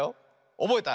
おぼえた？